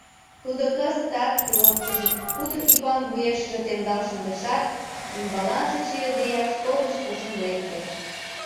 Тудо кызытат пилоткыжым кудыр ӱпан вуешыже темдал шындышат, ӱмбаланже чийыдеак, школ гыч куржын лекте.